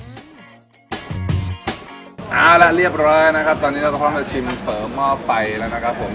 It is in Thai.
เอาละเรียบร้อยนะครับตอนนี้เราก็พร้อมจะชิมเฝอหม้อไฟแล้วนะครับผม